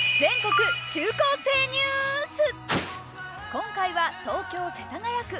今回は東京・世田谷区。